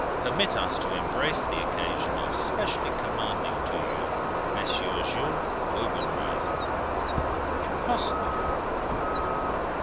Permit us to embrace the occasion of specially commanding to you M. Jules Obenreizer.' Impossible!"